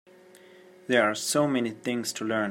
There are so many things to learn.